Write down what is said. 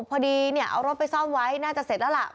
พอดีเนี่ยเอารถไปซ่อมไว้น่าจะเสร็จแล้วล่ะ